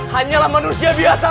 hanyalah manusia biasa